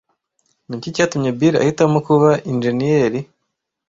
Niki cyatumye Bill ahitamo kuba injeniyeri?